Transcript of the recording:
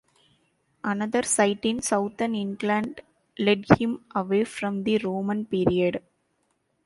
Another site in southern England led him away from the Roman period.